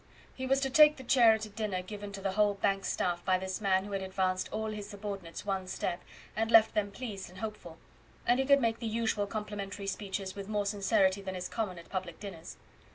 He was to take the chair at a dinner given to the whole bank staff by this man who had advanced all his subordinates one step, and left them pleased and hopeful; and he could make the usual complimentary speeches with more sincerity than is common at public dinners.